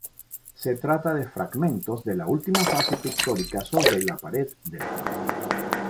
Se trata de fragmentos de la última fase pictórica sobre la pared del fondo.